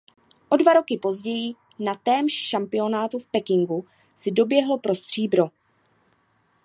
O dva roky později na témž šampionátu v Pekingu si doběhl pro stříbro.